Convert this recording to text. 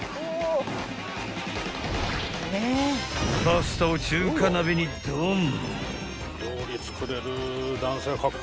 ［パスタを中華鍋にドン］